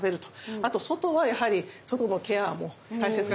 あと外はやはり外のケアも大切かと思います。